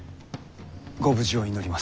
ご無事を祈ります。